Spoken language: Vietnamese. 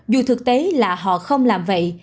dù thực tế là họ không làm vậy